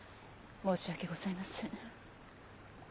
申し訳ございません。